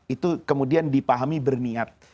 itu kemudian dipahami berniat